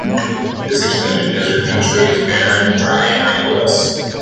This extended desert country is barren, dry and rainless.